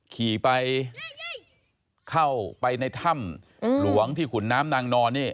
ขี่ไปเข้าไปในถ้ำหลวงที่ขุนน้ำนางนอนนี่